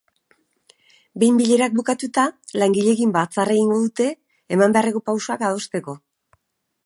Behin bilerak bukatuta, langileekin batzarra egingo dute eman beharreko pausoak adosteko.